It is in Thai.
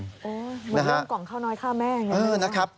โอ้มีเรื่องกล่องข้าวน้อยข้าวแม่อย่างนั้น